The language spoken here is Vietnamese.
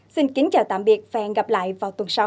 xin kính chào tạm biệt và hẹn gặp lại vào tuần sau